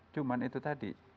cuma itu tadi